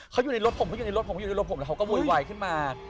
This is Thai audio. เขาอยู่ในรถผมแล้วเขาก็ววยวายขึ้นมา